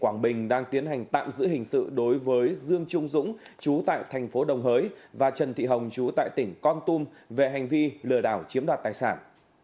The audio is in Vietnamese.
quảng bình đang tiến hành tạm giữ hình sự đối với dương trung dũng chú tại thành phố đồng hới và trần thị hồng chú tại tỉnh con tum về hành vi lừa đảo chiếm đoạt tài sản